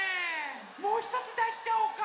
もうひとつだしちゃおうか。